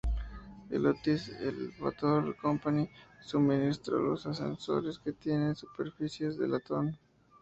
La Otis Elevator Company suministró los ascensores, que tienen superficies de latón.